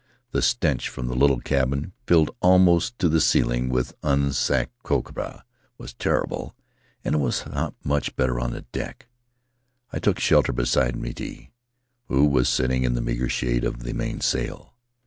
The stench from the little cabin, filled almost to the ceiling with unsacked copra, was terrible; and it was not much better on deck. I took shelter beside Miti, who was sitting in the meager shade of the mainsail.